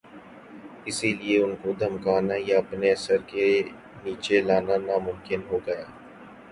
اسی لئے ان کو دھمکانا یا اپنے اثر کے نیچے لانا ناممکن ہو گیا۔